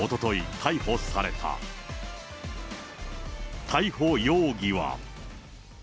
逮捕容疑は。